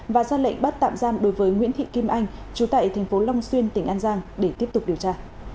và ra lệnh bắt tạm giam đối với nguyễn thị kim anh chú tại thành phố long xuyên tỉnh an giang để tiếp tục điều tra